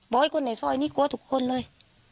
บ่อยคนไหนซ่อยนี่กลัวทุกคนเลย